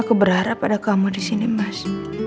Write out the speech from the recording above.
aku berharap ada kamu disini mas